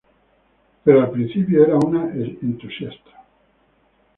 Pero al principio era una entusiasta.